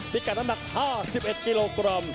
พิกัดน้ำหนัก๕๑กิโลกรัม